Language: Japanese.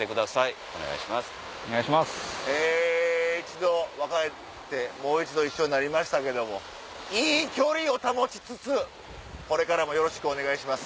一度別れてもう一度一緒になりましたけどもいい距離を保ちつつこれからもよろしくお願いします。